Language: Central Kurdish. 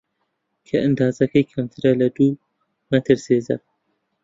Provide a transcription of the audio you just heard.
کە ئەندازەکەی کەمترە لە دوو مەتر سێجا